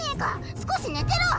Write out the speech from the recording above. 少し寝てろ！